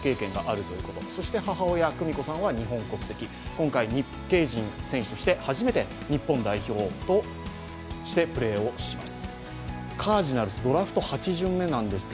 今回、日系人選手として初めて日本代表としてプレーをします。